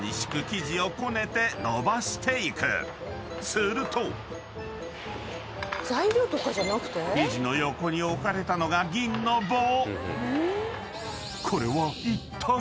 ［生地の横に置かれたのが銀の棒］